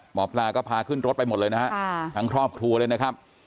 หมอปลาก็พาขึ้นรถไปหมดเลยนะฮะทั้งครอบครัวเลยนะครับ